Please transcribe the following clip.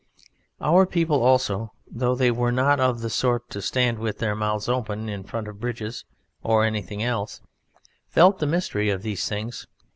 Our people also, though they were not of the sort to stand with their mouths open in front of bridges or anything else, felt the mystery of these things.